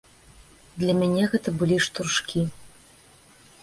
Для мяне гэта былі штуршкі.